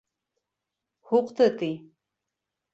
— Һуҡты, ти.